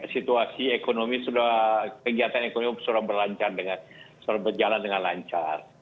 situasi ekonomi kegiatan ekonomi sudah berjalan dengan lancar